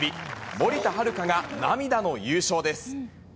森田遥が涙の優勝です。